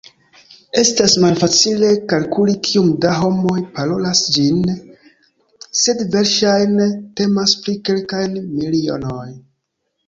Estas malfacile kalkuli kiom da homoj "parolas" ĝin, sed verŝajne temas pri kelkaj milionoj.